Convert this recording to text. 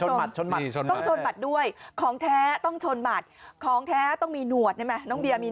หมื่นสองพันคนโอ้โหซีเบีย